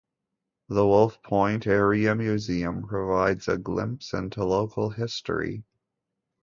The Wolf Point Area Museum provides a glimpse into local history.